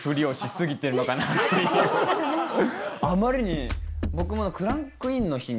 あまりに。